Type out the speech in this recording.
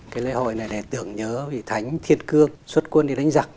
cái lễ hội này để tưởng nhớ vị thánh thiên cương xuất quân đi đánh giặc